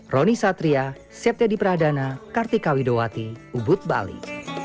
roni satria chef teddy pradana kartika widowati ubud bali